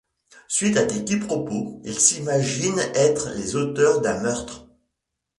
Suite à des quiproquos, ils s'imaginent être les auteurs d'un meurtre.